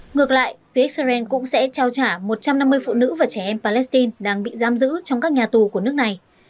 ngược lại phía israel cũng sẽ trao trả một trăm năm mươi phụ nữ và trẻ em palestine đang bị giam giữ trong các nhà tù của nước này